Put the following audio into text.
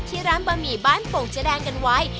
ที่ร้านบะหมี่บ้านโป่งเจ๊แดงกันไว้